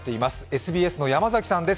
ＳＢＳの山崎さんです。